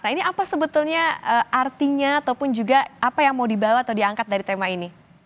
nah ini apa sebetulnya artinya ataupun juga apa yang mau dibawa atau diangkat dari tema ini